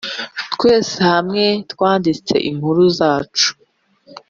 twese hamwe twanditse inkuru zacu.